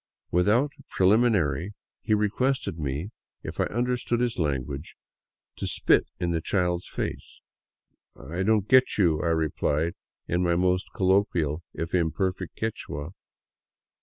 Without preliminary he requested me, if I un derstood his language, to spit in the child's face. " I don't get you," I replied, in my most colloquial if imperfect Quichua.